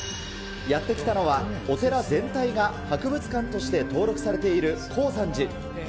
やって来たのは、お寺全体が博物館として登録されている耕三寺。